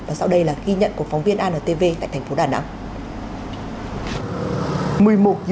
và sau đây là ghi nhận của phóng viên antv tại thành phố đà nẵng